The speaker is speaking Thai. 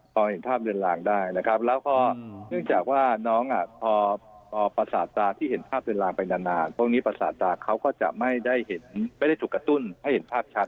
พอเห็นภาพเรือนลางได้นะครับแล้วก็เนื่องจากว่าน้องพอประสาทตาที่เห็นภาพเรือนลางไปนานพวกนี้ประสาทตาเขาก็จะไม่ได้เห็นไม่ได้ถูกกระตุ้นให้เห็นภาพชัด